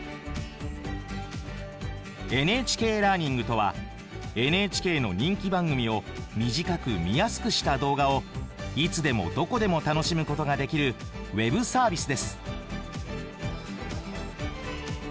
ＮＨＫラーニングとはＮＨＫの人気番組を短く見やすくした動画をいつでもどこでも楽しむことができるウェブサービスです。